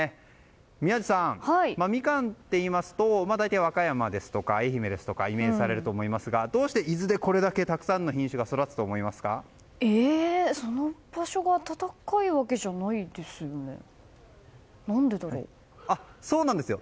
宮司さん、ミカンといいますと大体、和歌山ですとか愛媛をイメージされると思いますがどうして伊豆でこれだけたくさんの品種がその場所が暖かいわけじゃないですよね？